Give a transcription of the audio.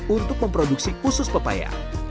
untuk memproduksi usus pepaya